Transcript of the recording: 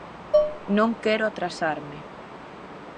Non quero atrasarme.